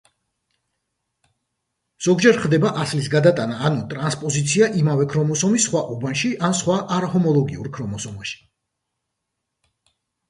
ზოგჯერ ხდება ასლის გადატანა ანუ ტრანსპოზიცია იმავე ქრომოსომის სხვა უბანში ან სხვა არაჰომოლოგიურ ქრომოსომაში.